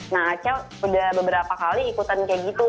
nah aca udah beberapa kali ikutan kayak gitu